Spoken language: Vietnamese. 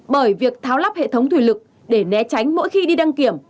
bởi việc tháo lắp hệ thống thủy lực để né tránh mỗi khi đi đăng kiểm